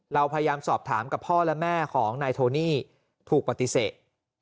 เราพยายามสอบถามกับพ่อและแม่ของนายโทนี่ถูกปฏิเสธ